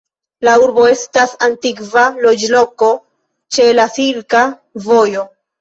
La urbo estas antikva loĝloko ĉe la Silka Vojo.